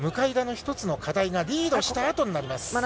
一つの課題がリードした後になります。